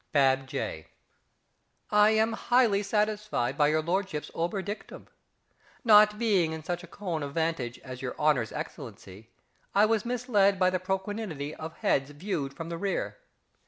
Bab. J. I am highly satisfied by your lordship's obiter dictum. Not being in such a coign of vantage as your honour's excellency, I was misled by the propinquity of heads viewed from the rear.